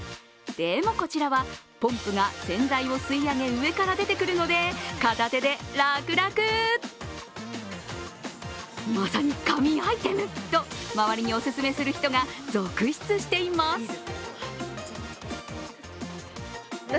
でも、こちらは、ポンプが洗剤を吸い上げ上から出てくるので、片手で楽々まさに神アイテムと周りにお勧めする人が続出しています。